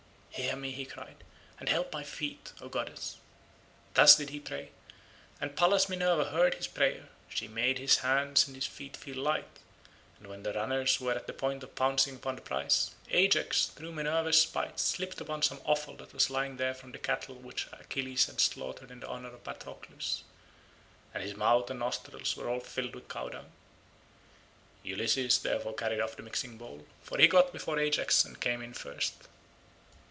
"Hear me," he cried, "and help my feet, O goddess." Thus did he pray, and Pallas Minerva heard his prayer; she made his hands and his feet feel light, and when the runners were at the point of pouncing upon the prize, Ajax, through Minerva's spite slipped upon some offal that was lying there from the cattle which Achilles had slaughtered in honour of Patroclus, and his mouth and nostrils were all filled with cow dung. Ulysses therefore carried off the mixing bowl, for he got before Ajax and came in first.